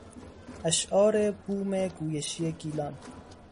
اشعار بوم گویشی گیلان